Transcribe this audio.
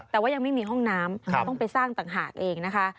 แต่ว่ายังไม่มีห้องน้ำต้องไปสร้างต่างหากเองนะคะ